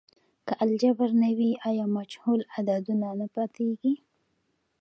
که الجبر نه وي، آیا مجهول عددونه نه پاتیږي؟